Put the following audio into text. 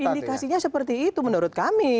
indikasinya seperti itu menurut kami